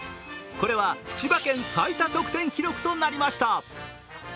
これは千葉県最多得点記録となりました。